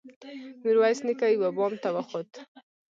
ميرويس نيکه يوه بام ته وخوت.